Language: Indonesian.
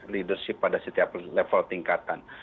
leadership pada setiap level tingkatan